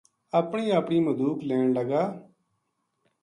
اپنی اپنی مدوک لین لگا